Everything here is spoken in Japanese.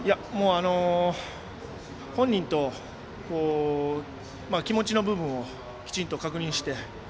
本人と、気持ちの部分をきちんと確認して。